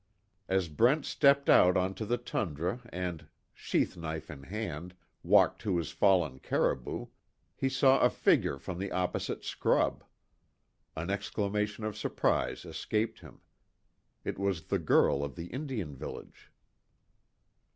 As Brent stepped out onto the tundra and, sheath knife in hand, walked to his fallen caribou, he saw a figure from the opposite scrub. An exclamation of surprise escaped him. It was the girl of the Indian Village.